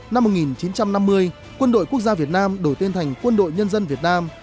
năm một nghìn chín trăm năm mươi quân đội quốc gia việt nam đổi tên thành quân đội nhân dân việt nam